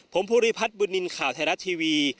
ผมภูริพัฒน์บุญนินทร์ข่าวไทยรัฐทีวี